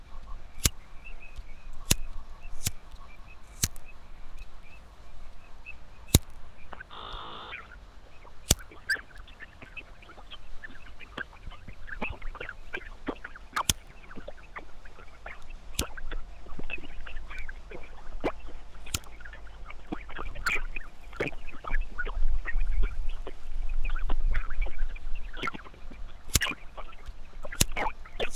waamuzi wanaendelea katika aya ya kumi na mbili